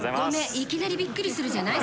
いきなりびっくりするじゃない。